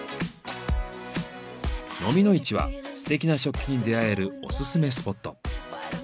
のみの市はすてな食器に出会えるオススメスポット。